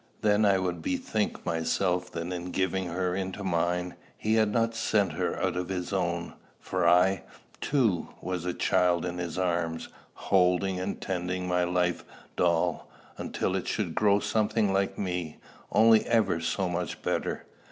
Then I would bethink myself that in giving her into mine, he had not sent her out of his own; for I, too, was a child in his arms, holding and tending my live doll, until it should grow something like me, only ever so much better.